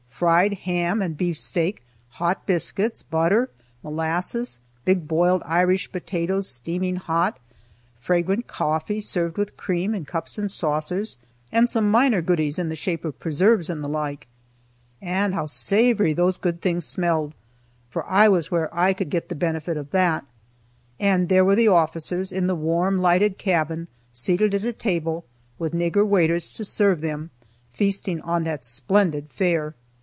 Fried ham and beefsteak, hot biscuits, butter, molasses, big boiled Irish potatoes steaming hot, fragrant coffee served with cream, in cups and saucers, and some minor goodies in the shape of preserves and the like. And how savory those good things smelled! for I was where I could get the benefit of that. And there were the officers, in the warm, lighted cabin, seated at a table, with nigger waiters to serve them, feasting on that splendid fare!